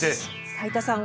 斉田さん